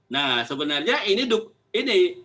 nah sebenarnya ini